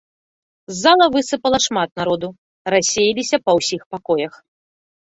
З зала высыпала шмат народу, рассеяліся па ўсіх пакоях.